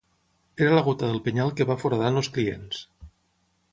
Era la gota del penyal que va foradant els clients